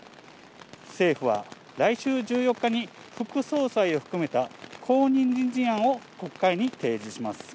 政府は、来週１４日に副総裁を含めた後任人事案を国会に提示します。